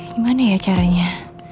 gimana ya caranya